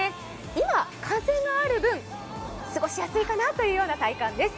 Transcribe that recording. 今、風がある分過ごしやすいかなという体感です。